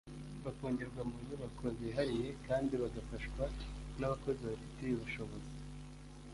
bafungirwa mu nyubako zihariye kandi bagafashwa n abakozi babifitiye ubushobozi